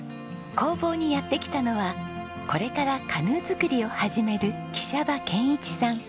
工房にやって来たのはこれからカヌー作りを始める喜舎場健一さん。